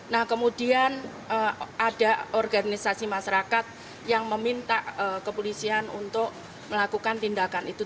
nah kemudian ada organisasi masyarakat yang meminta kepolisian untuk melakukan tindakan itu